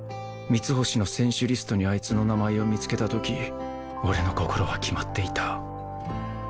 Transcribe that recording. ミツホシの選手リストにあいつの名前を見つけた時俺の心は決まっていた